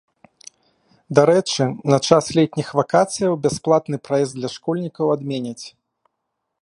Дарэчы, на час летніх вакацыяў бясплатны праезд для школьнікаў адменяць.